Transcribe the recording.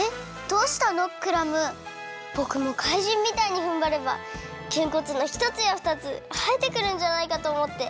ぼくもかいじんみたいにふんばればゲンコツのひとつやふたつはえてくるんじゃないかとおもって。